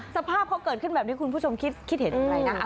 สภาพเขาเกิดขึ้นแบบนี้คุณผู้ชมคิดเห็นอย่างไรนะ